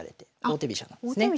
王手飛車なんですね。